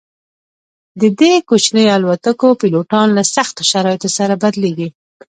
د دې کوچنیو الوتکو پیلوټان له سختو شرایطو سره بلدیږي